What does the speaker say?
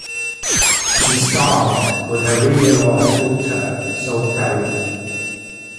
She starred with her real-life daughter, Zoe Perry.